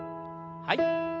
はい。